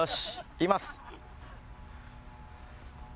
いきます。